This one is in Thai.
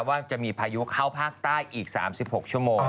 ว่าจะมีพายุเข้าภาคใต้อีก๓๖ชั่วโมง